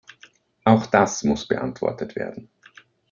Auch das muss beantwortet werden.